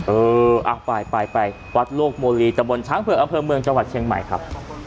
เอออ่ะไปไปวัดโลกโมลีตะบนช้างเผือกอำเภอเมืองจังหวัดเชียงใหม่ครับ